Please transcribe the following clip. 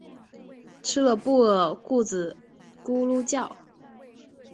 吃了布丁肚子咕噜叫